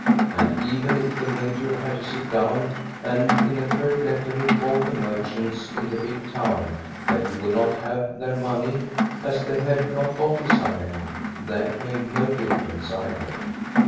And even if the major had to sit down and in a curt letter inform the merchants in the big town that he would not have their money, as tliey had not got his iron, that made no difference either.